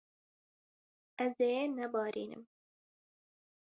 Ez ê nebarînim.